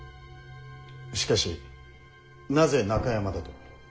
しかしなぜ中山だと？